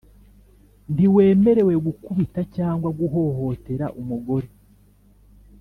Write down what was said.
ntiwemerewe gukubita cyangwa guhohotera umugore.